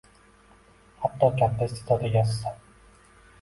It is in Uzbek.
Hatto katta iste’dod egasisan.